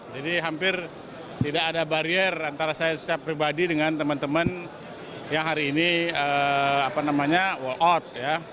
jadi hampir tidak ada barier antara saya secara pribadi dengan teman teman yang hari ini walkout